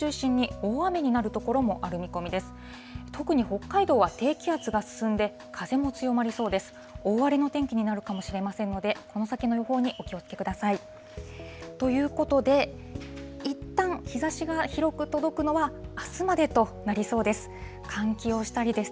大荒れの天気になるかもしれませんので、この先の予報にお気をつけください。ということで、いったん、日ざしが広く届くのは、あすまでとなりそうです。